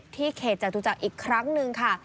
เขตจตุจักรอีกครั้งหนึ่งค่ะ